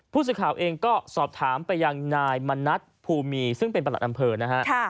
ผู้สื่อข่าวเองก็สอบถามไปยังนายมณัฐภูมิซึ่งเป็นประหลัดอำเภอนะฮะ